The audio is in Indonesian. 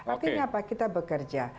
artinya apa kita bekerja